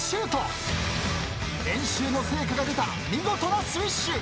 練習の成果が出た見事なスウィッシュ。